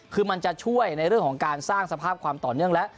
คือมันจะช่วยในเรื่องของการสร้างสภาพความต่อเนื่องแล้ว